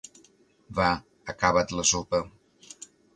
Va, acaba't la sopa.